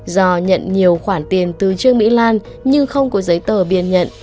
do nhận nhiều khoản tiền từ trương mỹ lan nhưng không có giấy tờ biên nhận